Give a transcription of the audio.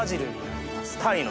タイの？